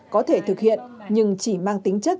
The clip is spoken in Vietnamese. có thể thực hiện nhưng chỉ mang tính chất